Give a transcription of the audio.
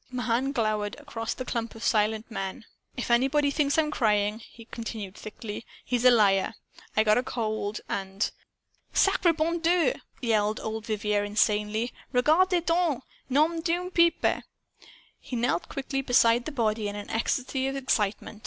I " Mahan glowered across at the clump of silent men. "If anybody thinks I'm crying," he continued thickly, "he's a liar. I got a cold, and " "Sacre bon Dieu!" yelled old Vivier, insanely. "Regarde donc! Nom d'une pipe!" He knelt quickly beside the body, in an ecstasy of excitement.